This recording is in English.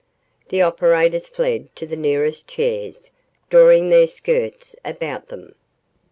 The operators fled to the nearest chairs, drawing their skirts about them.